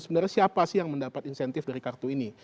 sebenarnya siapa sih yang mendapat insentif dari kartu ini